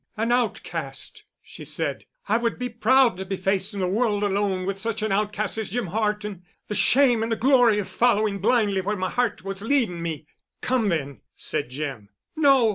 "An outcast!" she said. "I would be proud to be facing the world alone with such an outcast as Jim Horton—the shame and the glory of following blindly where my heart was leading me——" "Come, then," said Jim. "No.